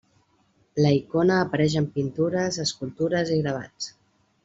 La icona apareix en pintures, escultures i gravats.